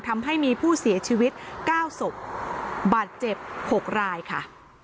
ทำให้มีผู้เสียชีวิต๙ศพบาดเจ็บ๖รายค่ะ